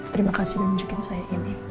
terima kasih udah menyukai saya ini